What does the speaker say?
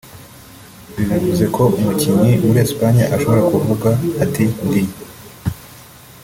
Ibi bivuze ko nk’umukinnyi muri Espagne ashobora kuvuga ati ndi